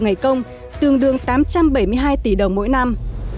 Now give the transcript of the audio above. ngày công tương đương tám trăm bảy mươi hai tỷ đồng mỗi năm